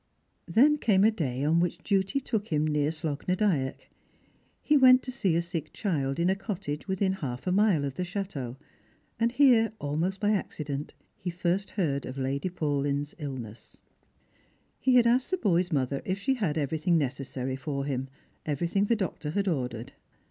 Then came a day on which duty took him near Slogh na Dyack. He went to see a sick child in a cottage within half a mile of the chateau ; and here, a»lmost by accident, he first heard of Lady Paulyn's illness He had asked the boy's mother if she had everything necessary for him ; everything the doctor had ordered.